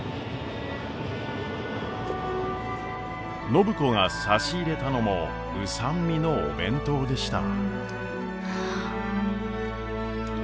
暢子が差し入れたのも御三味のお弁当でした。